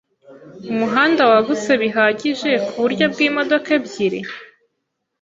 Umuhanda wagutse bihagije kuburyo bwimodoka ebyiri?